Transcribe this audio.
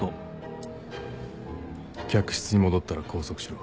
客室に戻ったら拘束しろ。